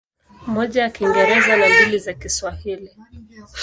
Moja ya Kiingereza na mbili za Kiswahili.